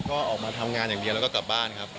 ก็ออกมาทำงานอย่างเดียวแล้วก็กลับบ้านครับ